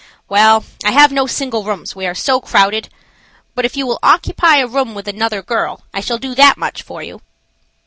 "Well, I have no single rooms, we are so crowded; but if you will occupy a room with another girl, I shall do that much for you."